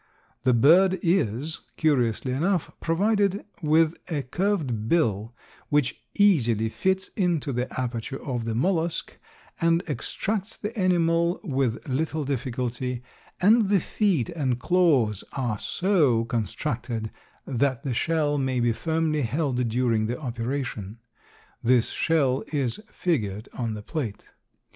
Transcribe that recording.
The bird is, curiously enough, provided with a curved bill which easily fits into the aperture of the mollusk and extracts the animal with little difficulty, and the feet and claws are so constructed that the shell may be firmly held during the operation. This shell is figured on the plate.